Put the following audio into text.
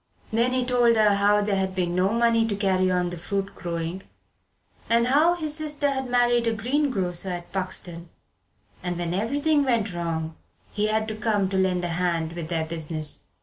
Then he told her how there had been no money to carry on the fruit growing, and how his sister had married a greengrocer at Buxton, and when everything went wrong he had come to lend a hand with their business.